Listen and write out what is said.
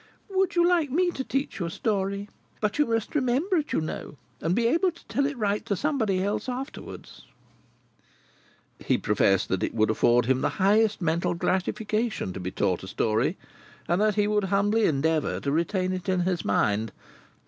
"Would you like me to teach you a story? But you must remember it, you know, and be able to tell it right to somebody else afterwards." He professed that it would afford him the highest mental gratification to be taught a story, and that he would humbly endeavour to retain it in his mind.